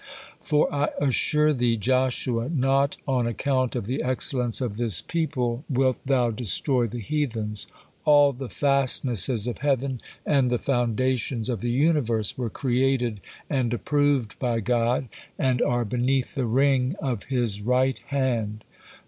For I assure thee, Joshua, not on account of the excellence of this people wilt thou destroy the heathens; all the fastnesses of heaven and the foundations of the universe were created and approved by God, and are beneath the ring of His right hand.